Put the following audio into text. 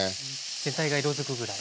全体が色づくぐらい。